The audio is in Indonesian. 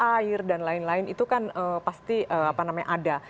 soal kualitas air dan lain lain itu kan pasti ada